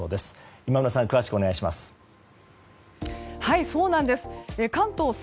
今村さん、詳しくお願いします。